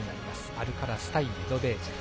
アルカラス対メドベージェフ。